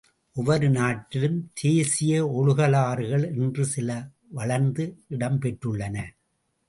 ஒவ்வொரு நாட்டிலும் தேசிய ஒழுகலாறுகள் என்று சில, வளர்ந்து இடம்பெற்றுள்ளன.